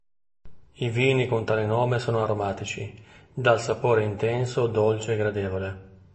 I vini con tale nome sono aromatici, dal sapore intenso dolce e gradevole.